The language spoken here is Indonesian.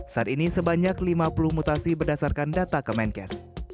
saat ini sebanyak lima puluh mutasi berdasarkan data kemenkes